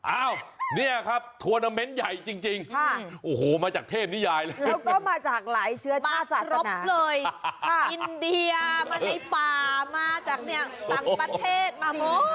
อ้าวเนี่ยครับทวอร์นาเม้นท์ใหญ่จริงมาจากเทพนิยายแล้วก็มาจากหลายเชื้อชาติต่างมากรบเลยอินเดียมาในป่ามาจากต่างประเทศมาหมด